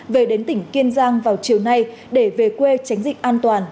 về đến tỉnh kiên giang vào chiều nay để về quê tránh dịch an toàn